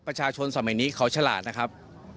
ประชาชนส่วนใหญ่นี้เขาฉลาดนะครับ